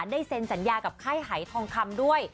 ได้เซ็นสัญญากับไข้หายทองคำด้วย